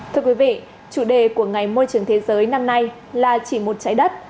thưa quý vị chủ đề của ngày môi trường thế giới năm nay là chỉ một trái đất